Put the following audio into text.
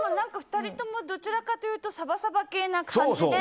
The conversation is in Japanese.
２人とも、どちらかというとサバサバ系な感じで。